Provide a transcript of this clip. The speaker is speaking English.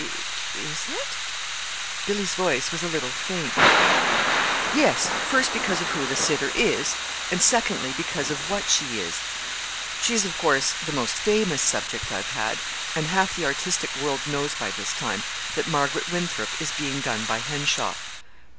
"I is it?" Billy's voice was a little faint. "Yes. First, because of who the sitter is, and secondly because of what she is. She is, of course, the most famous subject I've had, and half the artistic world knows by this time that Marguerite Winthrop is being done by Henshaw.